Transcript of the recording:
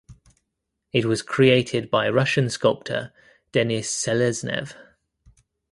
It was created by Russian sculptor Denis Seleznev.